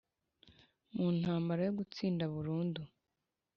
Mu ntambara yo gutsinda burundu